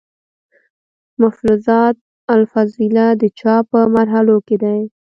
ملفوظات الافضلېه، د چاپ پۀ مرحلو کښې دی